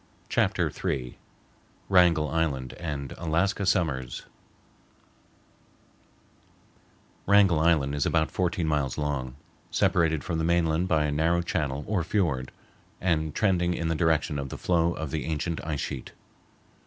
B.] Chapter III Wrangell Island and Alaska Summers Wrangell Island is about fourteen miles long, separated from the mainland by a narrow channel or fiord, and trending in the direction of the flow of the ancient ice sheet.